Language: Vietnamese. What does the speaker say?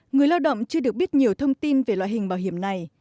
người lao động chưa được biết nhiều thông tin về loại hình bảo hiểm này